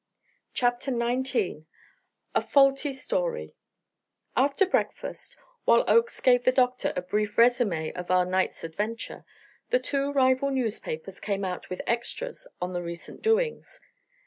CHAPTER XIX A Faulty Story After breakfast, while Oakes gave the doctor a brief résumé of our night's adventure, the two rival newspapers came out with "extras" on the recent doings.